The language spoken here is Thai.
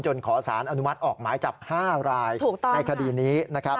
ขอสารอนุมัติออกหมายจับ๕รายในคดีนี้นะครับ